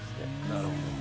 なるほど。